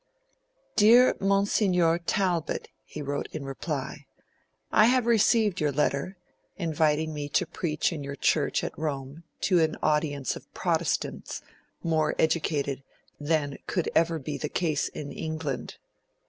'Dear Monsignor Talbot,' he wrote in reply, 'I have received your letter, inviting me to preach in your Church at Rome to an audience of Protestants more educated than could ever be the case in England.